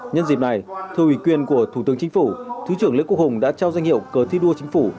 nhân dịp này thưa ủy quyền của thủ tướng chính phủ thứ trưởng lê quốc hùng đã trao danh hiệu cờ thi đua chính phủ